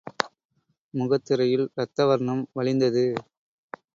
முகத்திரையில் ரத்த வர்ணம் வழிந்தது.